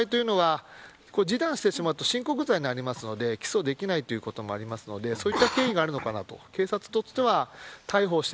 器物損壊というのは示談してしまうと親告罪になるので起訴できないということもあるのでそういった経緯があるのかなと。